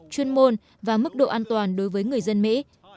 chuyên môn và mức độ an toàn đối với người dân mỹ